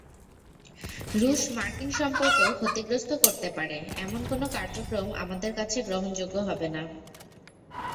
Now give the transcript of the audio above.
রুশ-মার্কিন সম্পর্ক ক্ষতিগ্রস্ত করতে পারে—এমন কোনো কার্যক্রম আমাদের কাছে গ্রহণযোগ্য হবে না।